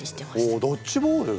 おドッジボール。